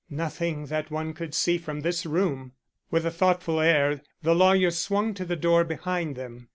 "Nothing that one could see from this room." With a thoughtful air, the lawyer swung to the door behind them.